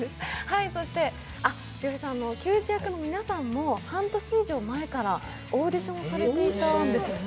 球児役の皆さんも半年以上前からオーディションされていたんですよね？